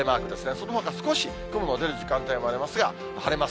そのほか少し雲の出る時間帯もありますが、晴れます。